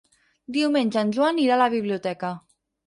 Diumenge en Joan irà a la biblioteca.